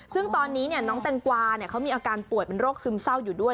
ซึ่งตอนนี้น้องแตงกวาเขามีอาการป่วยเป็นโรคซึมเศร้าอยู่ด้วย